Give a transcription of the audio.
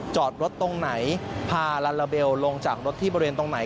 จอดรถตรงไหนพาลาลาเบลลงจากรถที่บริเวณตรงไหน